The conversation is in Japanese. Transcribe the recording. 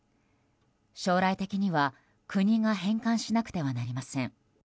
将来的には国が返還しなくてはなりません。